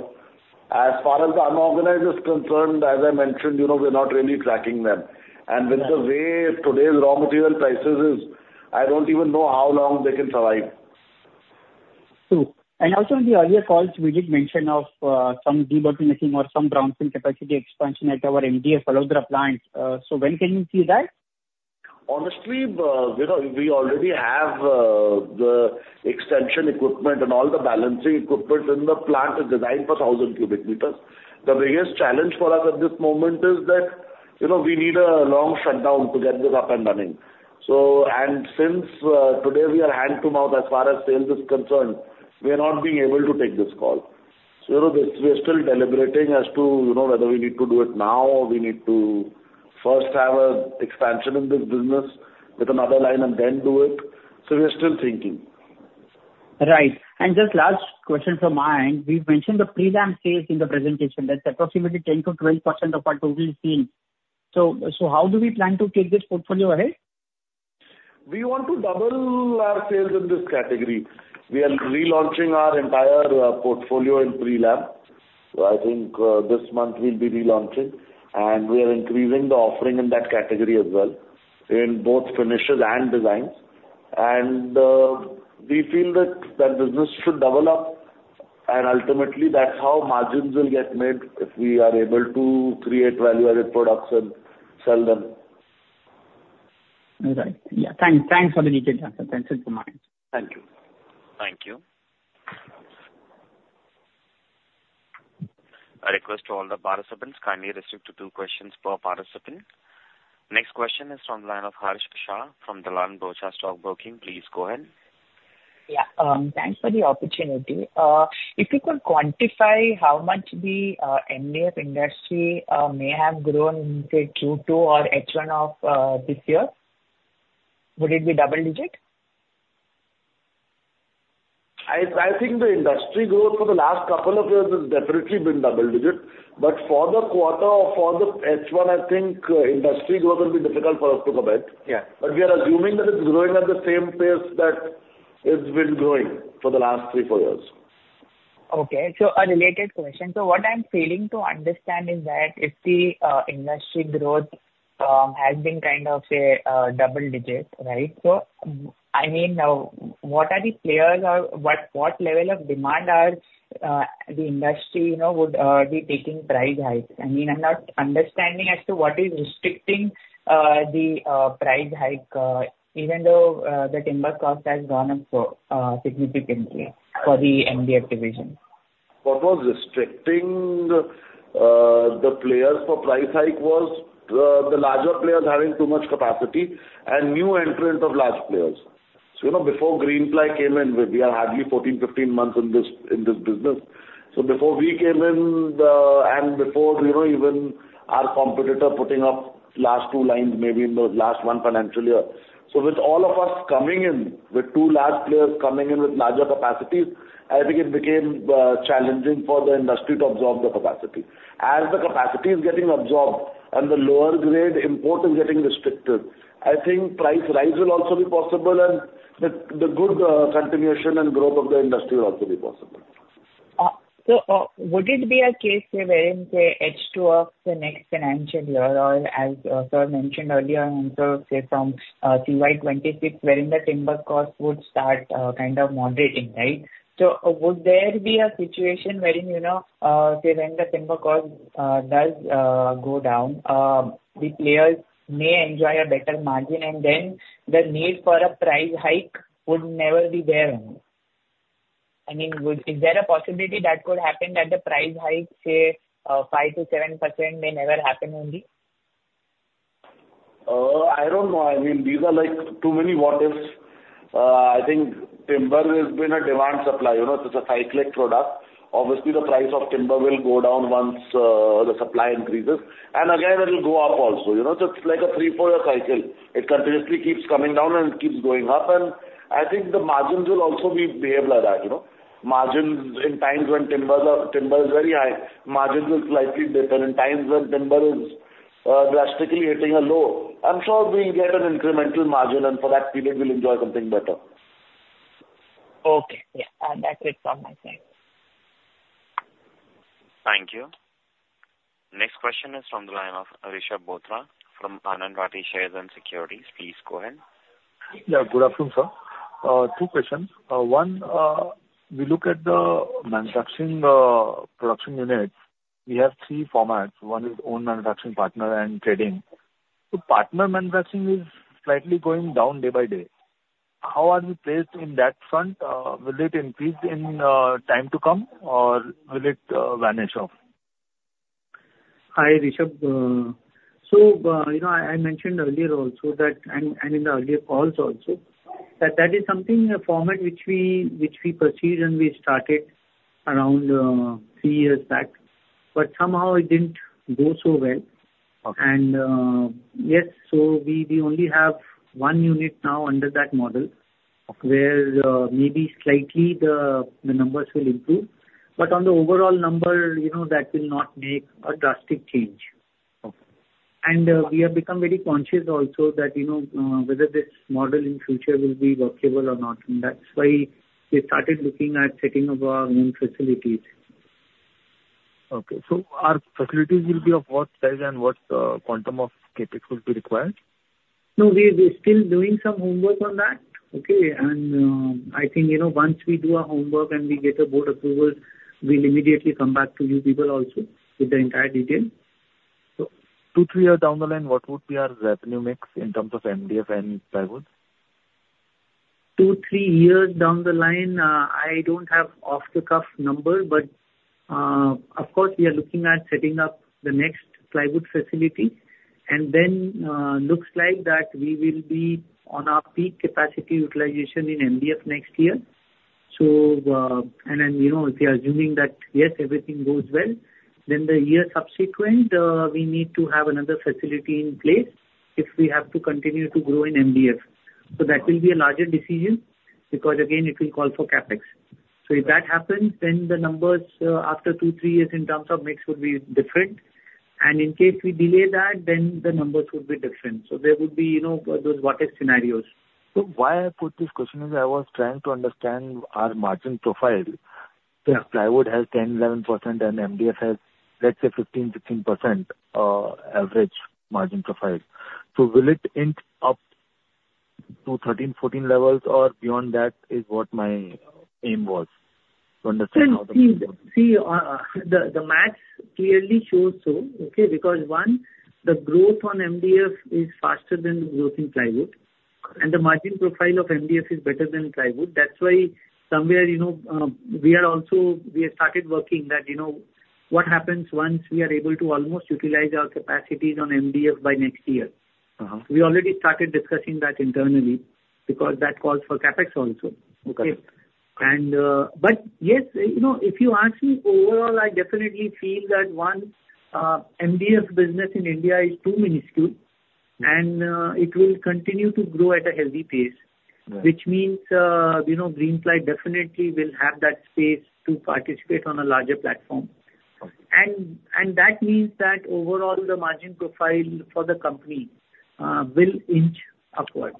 As far as the unorganized is concerned, as I mentioned, we're not really tracking them. And with the way today's raw material prices is, I don't even know how long they can survive. And also in the earlier calls, we did mention of some debottlenecking or some grounds in capacity expansion at our MDF Alodra plant. So when can you see that? Honestly, we already have the extension equipment and all the balancing equipment in the plant is designed for 1,000 cubic meters. The biggest challenge for us at this moment is that we need a long shutdown to get this up and running. And since today we are hand-to-mouth as far as sales is concerned, we are not being able to take this call. So we're still deliberating as to whether we need to do it now or we need to first have an expansion in this business with another line and then do it. So we're still thinking. Right. And just last question from my end. We've mentioned the pre-lam sales in the presentation. That's approximately 10%-12% of our total sales. So how do we plan to take this portfolio ahead? We want to double our sales in this category. We are relaunching our entire portfolio in pre-lam. So I think this month we'll be relaunching. And we are increasing the offering in that category as well in both finishes and designs. And we feel that that business should double up. And ultimately, that's how margins will get made if we are able to create value-added products and sell them. All right. Yeah. Thanks for the detailed answer. That's it from my end. Thank you. Thank you. A request to all the participants, kindly restrict to two questions per participant. Next question is from the line of Harish Krishnan from Kotak. Please go ahead. Yeah. Thanks for the opportunity. If you could quantify how much the MDF industry may have grown in Q2 or H1 of this year, would it be double-digit? I think the industry growth for the last couple of years has definitely been double-digit. But for the quarter or for the H1, I think industry growth will be difficult for us to comment. But we are assuming that it's growing at the same pace that it's been growing for the last three, four years. Okay. So a related question. So what I'm failing to understand is that if the industry growth has been kind of a double-digit, right? So I mean, what are the players or what level of demand are the industry would be taking price hikes? I mean, I'm not understanding as to what is restricting the price hike, even though the timber cost has gone up significantly for the MDF division. What was restricting the players for price hike was the larger players having too much capacity and new entrants of large players. So before Greenply came in, we are hardly 14, 15 months in this business. So before we came in and before even our competitor putting up last two lines, maybe in the last one financial year. So with all of us coming in, with two large players coming in with larger capacities, I think it became challenging for the industry to absorb the capacity. As the capacity is getting absorbed and the lower-grade import is getting restricted, I think price rise will also be possible and the good continuation and growth of the industry will also be possible. So would it be a case wherein H2 of the next financial year, or as Sir mentioned earlier, and also say from CY26, wherein the timber cost would start kind of moderating, right? So would there be a situation wherein say when the timber cost does go down, the players may enjoy a better margin and then the need for a price hike would never be there? I mean, is there a possibility that could happen that the price hike, say, 5%-7% may never happen only? I don't know. I mean, these are like too many what-ifs. I think timber has been a demand supply. It's a cyclic product. Obviously, the price of timber will go down once the supply increases. And again, it'll go up also. So it's like a three, four-year cycle. It continuously keeps coming down and keeps going up. And I think the margins will also behave like that. Margins in times when timber is very high, margins will slightly dip, and in times when timber is drastically hitting a low, I'm sure we'll get an incremental margin, and for that period, we'll enjoy something better. Okay. Yeah. That's it from my side. Thank you. Next question is from the line of Rishab Bothra from Anand Rathi Share and Stock Brokers. Please go ahead. Yeah. Good afternoon, sir. Two questions. One, we look at the manufacturing production units. We have three formats. One is own manufacturing, partner, and trading. So partner manufacturing is slightly going down day by day. How are we placed in that front? Will it increase in time to come, or will it vanish off? Hi, Abhishek, so I mentioned earlier also that, and in the earlier calls also, that that is something, a format which we pursued and we started around three years back, but somehow it didn't go so well, and yes, so we only have one unit now under that model where maybe slightly the numbers will improve. But on the overall number, that will not make a drastic change, and we have become very conscious also that whether this model in future will be workable or not, and that's why we started looking at setting up our own facilities. Okay. So our facilities will be of what size and what quantum of CapEx will be required? No, we're still doing some homework on that. Okay, and I think once we do our homework and we get a board approval, we'll immediately come back to you people also with the entire detail. So two, three years down the line, what would be our revenue mix in terms of MDF and plywood? Two, three years down the line, I don't have off-the-cuff numbers, but of course, we are looking at setting up the next plywood facility, and then looks like that we will be on our peak capacity utilization in MDF next year, and then if we are assuming that, yes, everything goes well, then the year subsequent, we need to have another facility in place if we have to continue to grow in MDF, so that will be a larger decision because, again, it will call for CapEx, so if that happens, then the numbers after two, three years in terms of mix would be different, and in case we delay that, then the numbers would be different, so there would be those what-if scenarios. So why I put this question is I was trying to understand our margin profile. The plywood has 10%-11%, and MDF has, let's say, 15%-16% average margin profile. So will it inch up to 13%-14% levels or beyond that is what my aim was to understand how the margin profile is. See, the math clearly shows so, okay, because one, the growth on MDF is faster than the growth in plywood, and the margin profile of MDF is better than plywood. That's why somewhere we are also, we have started working that what happens once we are able to almost utilize our capacities on MDF by next year. We already started discussing that internally because that calls for capex also, but yes, if you ask me, overall, I definitely feel that one, MDF business in India is too minuscule, and it will continue to grow at a heavy pace, which means Greenply definitely will have that space to participate on a larger platform, and that means that overall, the margin profile for the company will inch upward.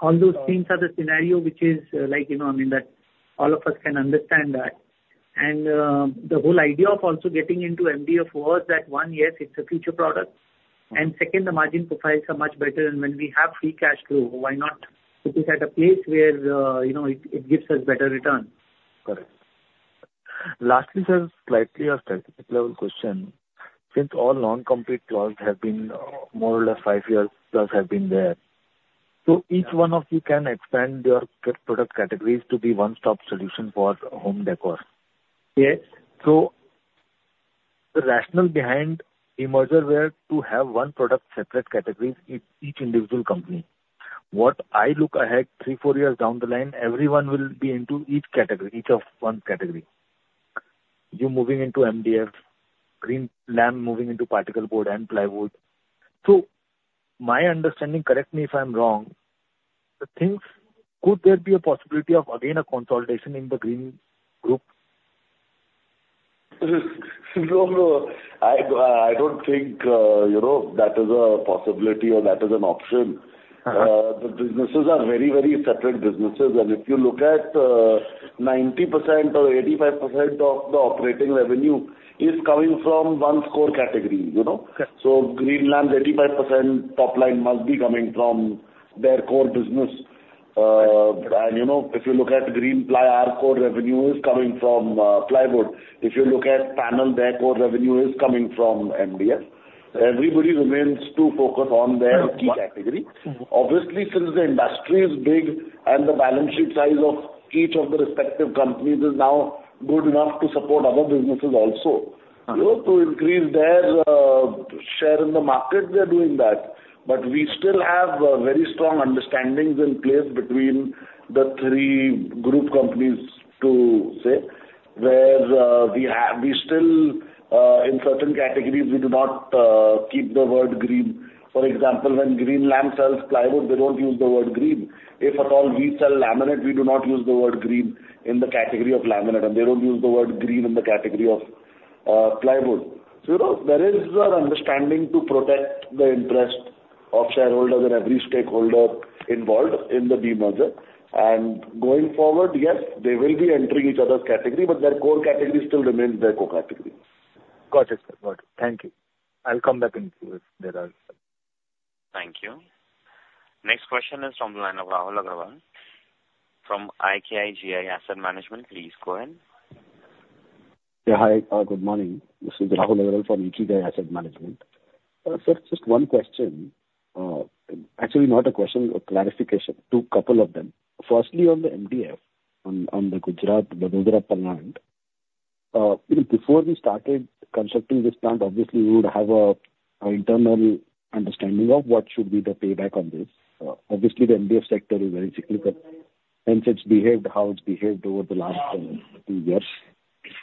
All those things are the scenario which is like, I mean, that all of us can understand that. The whole idea of also getting into MDF was that one, yes, it's a future product. Second, the margin profiles are much better. When we have free cash flow, why not put this at a place where it gives us better return? Correct. Lastly, sir, slightly a strategic level question. Since all non-compete clauses have been more or less five years plus have been there, so each one of you can expand your product categories to be one-stop solution for home decor. So the rationale behind the demerger was to have one product separate categories in each individual company. If I look ahead, three, four years down the line, everyone will be into each category, each of one category. You moving into MDF, Greenlam moving into particle board and plywood. So my understanding, correct me if I'm wrong, could there be a possibility of again a consolidation in the Green Group? No, no. I don't think that is a possibility or that is an option. The businesses are very, very separate businesses. And if you look at 90% or 85% of the operating revenue is coming from one core category. So Greenlam, 85% top line must be coming from their core business. And if you look at Greenply, our core revenue is coming from plywood. If you look at Greenpanel, core revenue is coming from MDF. Everybody remains too focused on their key category. Obviously, since the industry is big and the balance sheet size of each of the respective companies is now good enough to support other businesses also, to increase their share in the market, they're doing that. But we still have very strong understandings in place between the three group companies to say where we still in certain categories, we do not keep the word green. For example, when Greenlam sells plywood, they don't use the word green. If at all we sell laminate, we do not use the word green in the category of laminate. And they don't use the word green in the category of plywood. So there is an understanding to protect the interest of shareholders and every stakeholder involved in the demerger. And going forward, yes, they will be entering each other's category, but their core category still remains their core category. Got it. Got it. Thank you. I'll come back and see if there are some. Thank you. Next question is from the line of Rahul Agarwal from Ikigai Asset Management. Please go ahead. Yeah. Hi. Good morning. This is Rahul Agarwal from Ikigai Asset Management. Sir, just one question. Actually, not a question, a clarification. Two couple of them. Firstly, on the MDF, on the Gujarat, Vadodara plant. Before we started constructing this plant, obviously, we would have an internal understanding of what should be the payback on this. Obviously, the MDF sector is very cyclical. Hence, it's behaved how it's behaved over the last two years.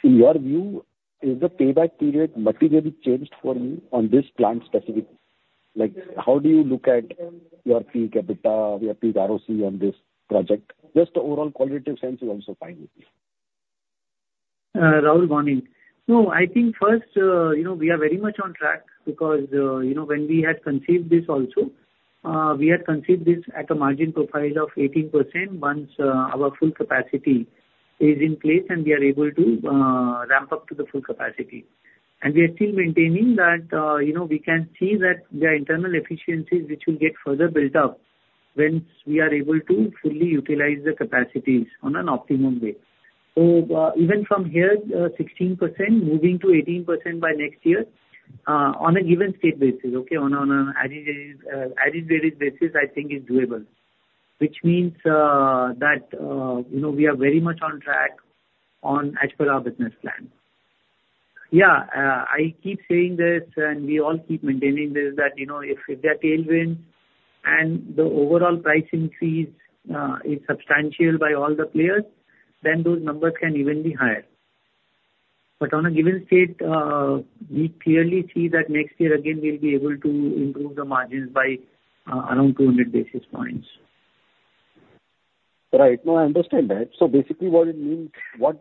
In your view, is the payback period materially changed for you on this plant specifically? How do you look at your peak EBITDA, your peak ROC on this project? Just overall qualitative sense, you also find it. Rahul, go on in. I think first, we are very much on track because when we had conceived this also, we had conceived this at a margin profile of 18% once our full capacity is in place and we are able to ramp up to the full capacity. We are still maintaining that we can see that the internal efficiencies, which will get further built up when we are able to fully utilize the capacities on an optimum way. Even from here, 16% moving to 18% by next year on a given state basis, okay, on an average basis, I think is doable, which means that we are very much on track on as per our business plan. Yeah. I keep saying this, and we all keep maintaining this that if there are tailwinds and the overall price increase is substantial by all the players, then those numbers can even be higher. But on a given state, we clearly see that next year again, we'll be able to improve the margins by around 200 basis points. Right. No, I understand that. So basically, what it means, what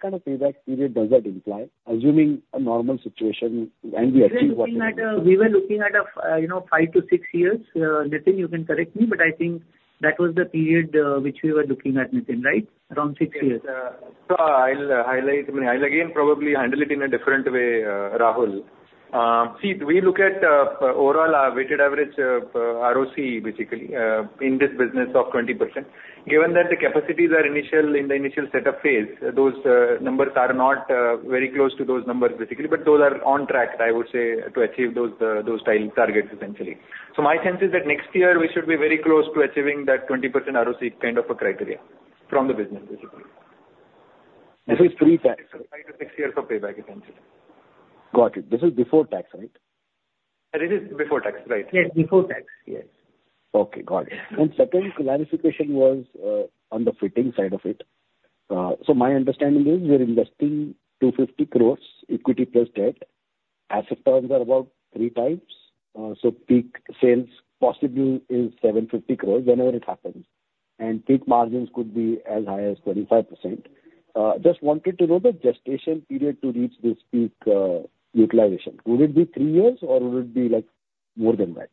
kind of payback period does that imply, assuming a normal situation and we achieve what we want? We were looking at a five to six years. Nitin, you can correct me, but I think that was the period which we were looking at, Nitin, right? Around six years. I'll again probably handle it in a different way, Rahul. See, we look at overall our weighted average ROC, basically, in this business of 20%. Given that the capacities are in the initial setup phase, those numbers are not very close to those numbers, basically, but those are on track, I would say, to achieve those targets, essentially. So my sense is that next year, we should be very close to achieving that 20% ROC kind of a criteria from the business, basically. This is pre-tax. Five to six years of payback, essentially. Got it. This is before tax, right? This is before tax, right? Yes, before tax. Yes. Okay. Got it. And second clarification was on the fitting side of it. So my understanding is we're investing 250 crores equity plus debt. Asset terms are about three types. So peak sales possibly is 750 crores whenever it happens. And peak margins could be as high as 25%. Just wanted to know the gestation period to reach this peak utilization. Would it be three years, or would it be more than that?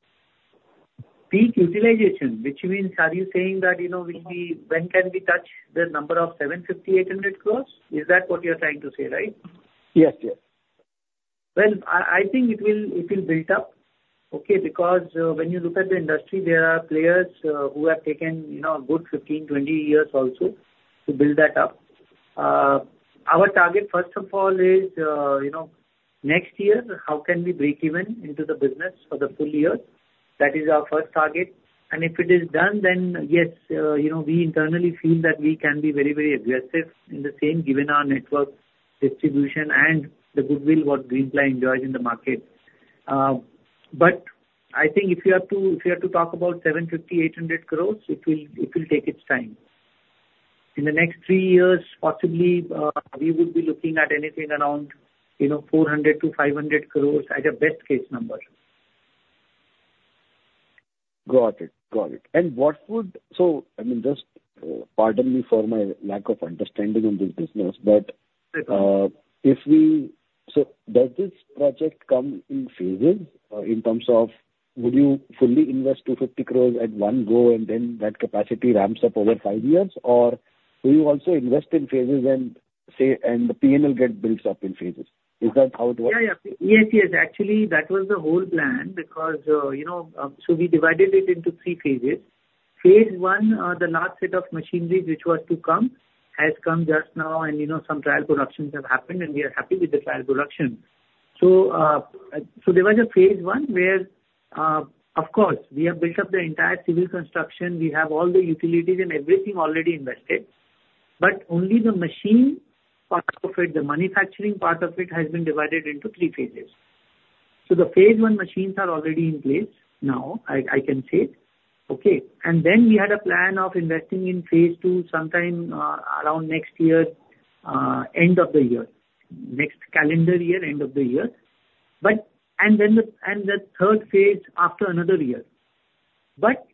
Peak utilization, which means are you saying that when can we touch the number of 750-800 crores? Is that what you're trying to say, right? Yes, yes. I think it will build up, okay, because when you look at the industry, there are players who have taken a good 15-20 years also to build that up. Our target, first of all, is next year, how can we break even into the business for the full year? That is our first target. And if it is done, then yes, we internally feel that we can be very, very aggressive in the same, given our network distribution and the goodwill what Greenply enjoys in the market. But I think if you have to talk about 750-800 crores, it will take its time. In the next three years, possibly, we would be looking at anything around 400-500 crores as a best-case number. Got it. Got it. And I mean, just pardon me for my lack of understanding on this business, but does this project come in phases in terms of would you fully invest 250 crores at one go and then that capacity ramps up over five years, or do you also invest in phases and the P&L gets built up in phases? Is that how it works? Yes, yes. Actually, that was the whole plan because so we divided it into three phases. phase I, the last set of machineries which was to come has come just now, and some trial productions have happened, and we are happy with the trial production. So there was a phase I where, of course, we have built up the entire civil construction. We have all the utilities and everything already invested. But only the machine part of it, the manufacturing part of it, has been divided into three phases. So the phase I machines are already in place now, I can say. Okay. And then we had a plan of investing in phase II sometime around next year, end of the year, next calendar year, end of the year. And then the Phase III after another year. But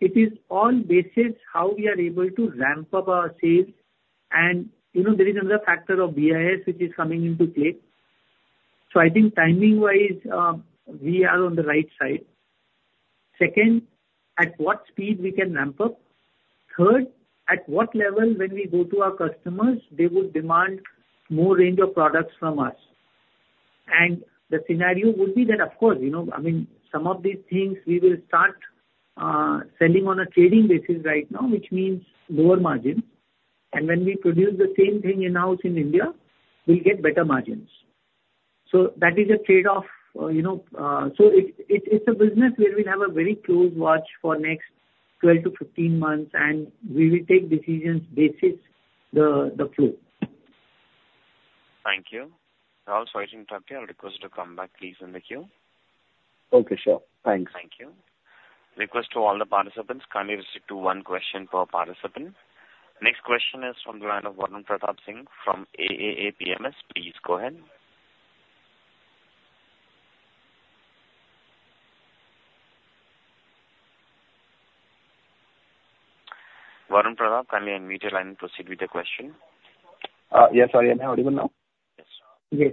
it is all about how we are able to ramp up our sales. And there is another factor of BIS, which is coming into play. So I think timing-wise, we are on the right side. Second, at what speed we can ramp up? Third, at what level when we go to our customers, they would demand more range of products from us. And the scenario would be that, of course, I mean, some of these things we will start selling on a trading basis right now, which means lower margins. And when we produce the same thing in-house in India, we'll get better margins. So that is a trade-off. So it's a business where we'll have a very close watch for next 12-15 months, and we will take decisions based on the flow. Thank you. Rahul, sorry to interrupt you. I'll request you to come back, please, in the queue. Okay. Sure. Thanks. Thank you. Request to all the participants, kindly restrict to one question per participant. Next question is from the line of Varun Pratap Singh from APMS. Please go ahead. Varun Pratap, kindly unmute your line and proceed with the question. Yes. Are you on audio now? Yes. Yes.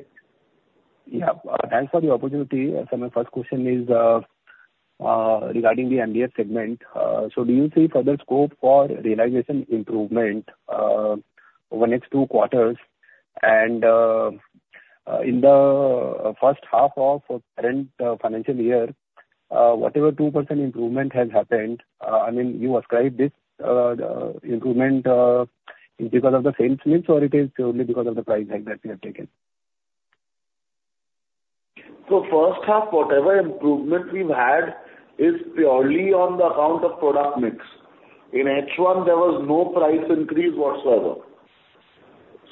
Yeah. Thanks for the opportunity. So my first question is regarding the MDF segment. So do you see further scope for realization improvement over next two quarters? And in the first half of the current financial year, whatever 2% improvement has happened, I mean, you ascribe this improvement because of the sales mix, or it is only because of the price hike that we have taken? First half, whatever improvement we've had is purely on the account of product mix. In H1, there was no price increase whatsoever.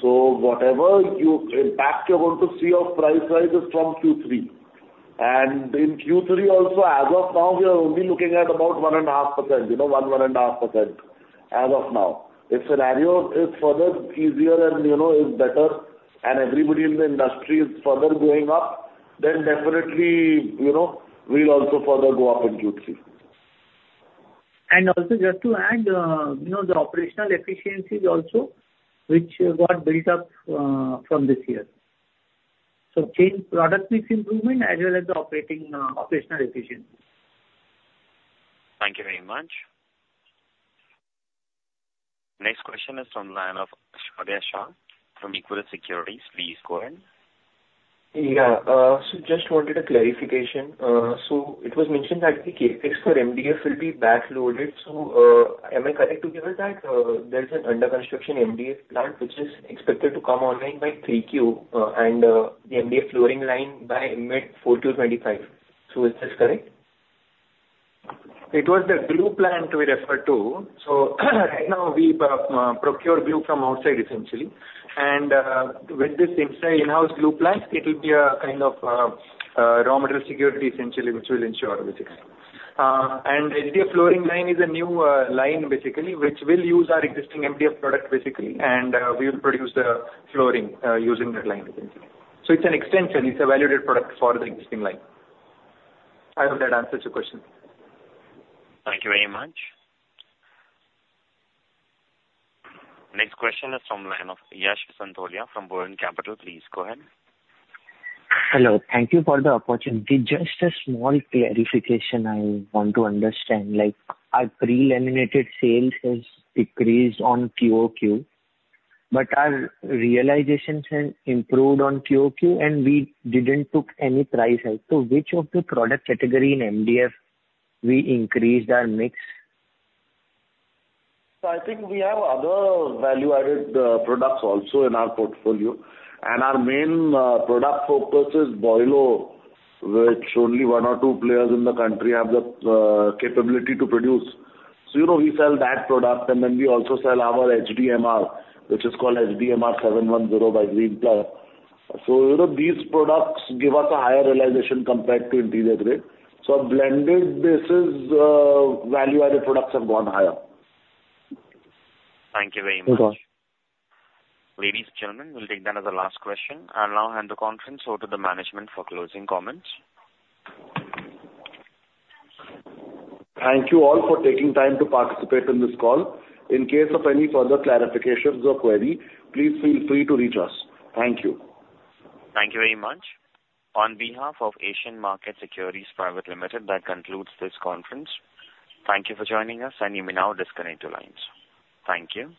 Whatever impact you're going to see of price rise is from Q3. In Q3 also, as of now, we are only looking at about 1%-1.5% as of now. If scenario is further easier and is better and everybody in the industry is further going up, then definitely we'll also further go up in Q3. And also, just to add, the operational efficiencies also, which got built up from this year. So, change product mix improvement as well as the operational efficiency. Thank you very much. Next question is from the line of Shradha Sheth from Equirus Securities. Please go ahead. Yeah. So just wanted a clarification. So it was mentioned that the Capex for MDF will be backloaded. So am I correct to hear that there's an under-construction MDF plant which is expected to come online by 3Q and the MDF flooring line by mid-4Q25? So is this correct? It was the glue plant we referred to. So right now, we procure glue from outside, essentially. And with this in-house glue plant, it will be a kind of raw material security, essentially, which we'll ensure, basically. And the MDF flooring line is a new line, basically, which will use our existing MDF product, basically, and we will produce the flooring using that line, essentially. So it's an extension. It's a valued product for the existing line. I hope that answers your question. Thank you very much. Next question is from Yash Santolia from Vallum Capital. Please go ahead. Hello. Thank you for the opportunity. Just a small clarification I want to understand. Our preliminary sales has decreased on QOQ, but our realizations have improved on QOQ, and we didn't took any price hike. So which of the product category in MDF we increased our mix? So I think we have other value-added products also in our portfolio. And our main product focus is Boilo, which only one or two players in the country have the capability to produce. So we sell that product, and then we also sell our HDMR, which is called HDMR 710 by Greenply. So these products give us a higher realization compared to interior grade. So blended basis value-added products have gone higher. Thank you very much. Thank you. Ladies and gentlemen, we'll take that as a last question. I'll now hand the conference over to the management for closing comments. Thank you all for taking time to participate in this call. In case of any further clarifications or query, please feel free to reach us. Thank you. Thank you very much. On behalf of Asian Market Securities Private Limited, that concludes this conference. Thank you for joining us, and you may now disconnect your lines. Thank you.